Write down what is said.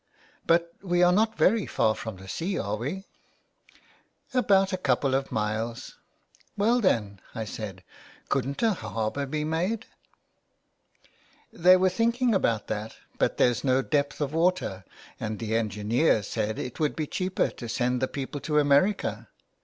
" But we are not very far from the sea, are we ?"" About a couple of miles.'' " Well then," I said. couldn't a harbour be made." 224 A PLAY HOUSE IN THE WASTE. " They were thinking about that, but there's no depth of water, and the engineer said it would be cheaper to send the people to America.